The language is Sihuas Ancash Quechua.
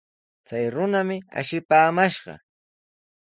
Chay runami ashipaamashqa.